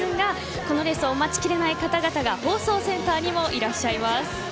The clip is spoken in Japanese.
このレースを待ちきれない方々が放送センターにもいらっしゃいます。